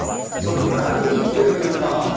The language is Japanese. ちょっと何言ってるんですか？